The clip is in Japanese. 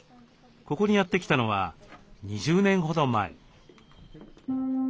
ここにやって来たのは２０年ほど前。